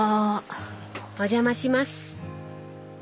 お邪魔します。